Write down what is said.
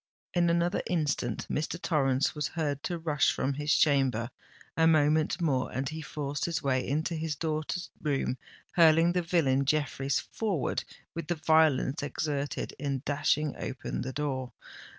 In another instant Mr. Torrens was heard to rush from his chamber—a moment more, and he forced his way into his daughter's room, hurling the villain Jeffreys forward with the violence exerted in dashing open the door.